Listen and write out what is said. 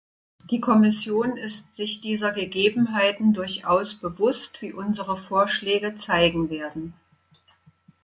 Die Kommission ist sich dieser Gegebenheiten durchaus bewusst, wie unsere Vorschläge zeigen werden.